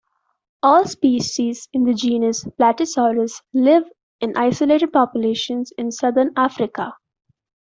All species in the genus "Platysaurus" live in isolated populations in southern Africa.